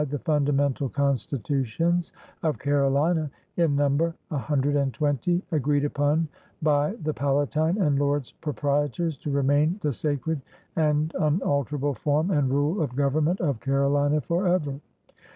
The Fundamental Constitutions of Carolina, in number a Hundred and Twenty , agreed upon by the Palatine and Lords Proprietors, to remmn the sacred and unalterable form and Rule of government of Carolina forever.